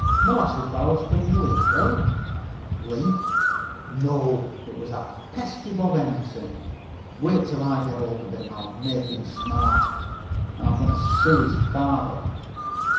Molasses barrel spring a leak, Bill?" "Leak? No, it was that pesky Bob Henderson. Wait till I git hold of him! I'll make him smart. An' I'm goin' to sue his father."